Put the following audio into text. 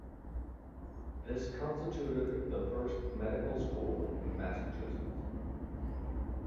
This constituted the first medical school in Massachusetts.